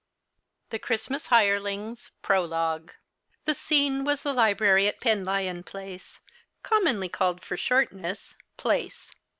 257 THE CHRISTMAS HIRELINGS. PEOLOGUE. \ HE scene was the library at Penlyon Place, commonly called for short ness — Place.